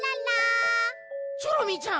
チョロミーちゃん